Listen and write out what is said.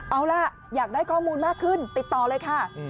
เอาล่ะอยากได้ข้อมูลมากขึ้นติดต่อเลยค่ะ